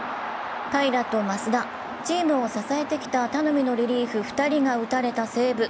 平良と増田、チームを支えてきた頼みのリリーフ２人が打たれた西武。